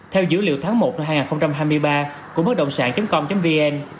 theo dữ liệu tháng một năm hai nghìn hai mươi ba của bất động sản com vn